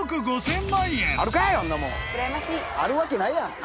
あるわけないやん。